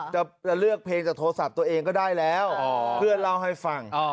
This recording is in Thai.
จะเลือกเพลงจากโทรศัพท์ตัวเองก็ได้แล้วเพื่อนเล่าให้ฟัง